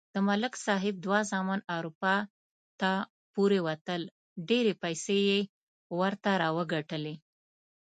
د ملک صاحب دوه زامن اروپا ته پورې وتل. ډېرې پیسې یې ورته راوگټلې.